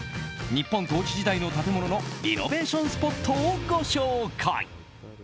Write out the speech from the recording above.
日本統治時代の建物のリノベーションスポットをご紹介。